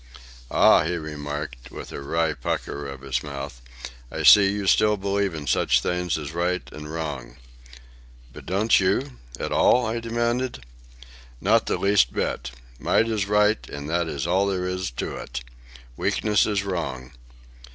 "Ah," he remarked, with a wry pucker of his mouth, "I see you still believe in such things as right and wrong." "But don't you?—at all?" I demanded. "Not the least bit. Might is right, and that is all there is to it. Weakness is wrong.